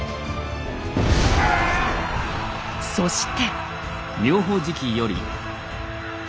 そして。